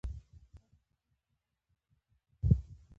علي د کلي ټولې لانجې په پوره ایماندارۍ سره فیصله کوي.